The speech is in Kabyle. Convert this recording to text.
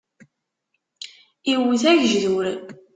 Iwwet agejdur.